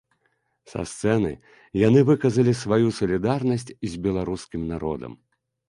Са сцэны яны выказалі сваю салідарнасць з беларускім народам.